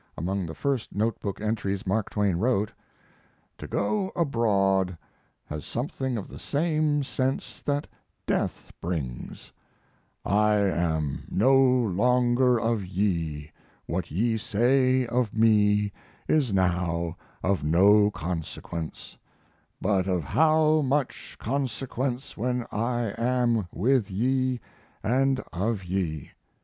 Among the first note book entries Mark Twain wrote: To go abroad has something of the same sense that death brings "I am no longer of ye; what ye say of me is now of no consequence but of how much consequence when I am with ye and of ye.